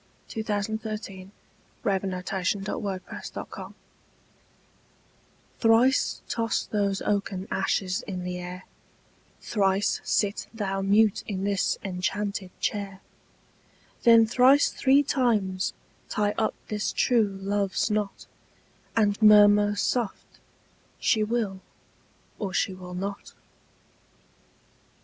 Thomas Campion Thrice Toss Those Oaken Ashes in the Air THRICE toss those oaken ashes in the air; Thrice sit thou mute in this enchanted chair; Then thrice three times tie up this true love's knot, And murmur soft: "She will, or she will not."